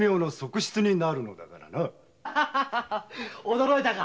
驚いたか？